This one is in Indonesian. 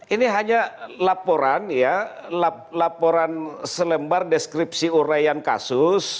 ini hanya laporan ya laporan selembar deskripsi urayan kasus